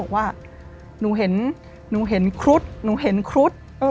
บอกว่าหนูเห็นหนูเห็นครุฑหนูเห็นครุฑ